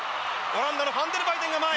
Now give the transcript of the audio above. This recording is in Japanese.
オランダのファンデルバイデンが前。